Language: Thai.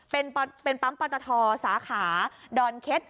เป็นปั๊มปอตทสาขาดอนเค็ด